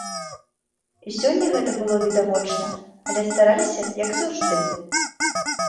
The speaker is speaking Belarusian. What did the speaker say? І сёння гэта было відавочна, але стараліся, як заўжды.